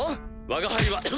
わが輩は。